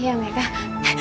dua hari lagi